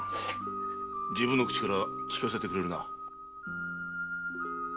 自分の口から聞かせてくれるな。